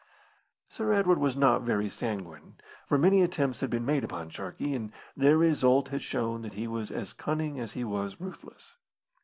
Sir Edward was not very sanguine, for many attempts had been made upon Sharkey, and their results had shown that he was as cunning as he was ruthless.